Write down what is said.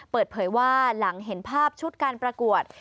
เปิดเผยว่าหลังเห็นภาพชุดการประกวด